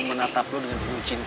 menatap lo dengan penuh cinta